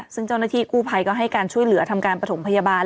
ซึ่งเจ้าหน้าที่กู้ภัยก็ให้การช่วยเหลือทำการประถมพยาบาล